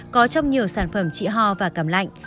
có trong nhiều sản phẩm trị ho và cảm lạnh